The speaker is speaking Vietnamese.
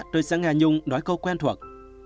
tôi sẽ nghe nhung nói câu quen thuật